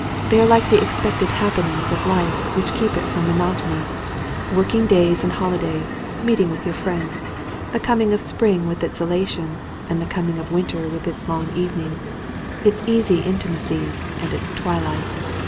They are like the expected happenings of life which keep it from monotony, working days and holidays, meetings with your friends, the coming of spring with its elation and the coming of winter with its long evenings, its easy intimacies and its twilight.